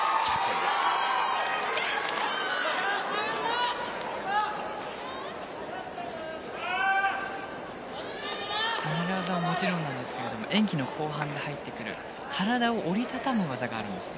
離れ技はもちろんですが演技の後半で入ってくる体を折り畳む技があるんです。